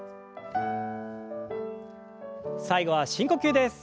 最後は深呼吸です。